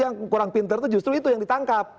yang kurang pinter itu justru itu yang ditangkap